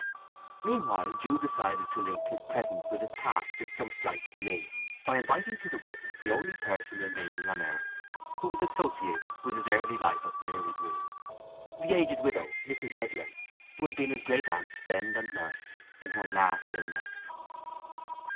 Meanwhile Jude decided to link his present with his past in some slight degree by inviting to the wedding the only person remaining on earth who was associated with his early life at Marygreen—the aged widow Mrs. Edlin, who had been his great aunt's friend and nurse in her last illness.